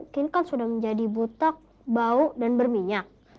kini kan sudah menjadi butak bau dan berminyak